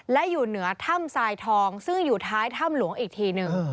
และอยู่เหนือถ้ำทรายทองซึ่งอยู่ท้ายถ้ำหลวงอีกทีหนึ่ง